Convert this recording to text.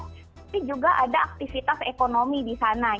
tapi juga ada aktivitas ekonomi di sana